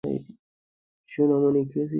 সোনামণি, খেয়েছিস কিছু?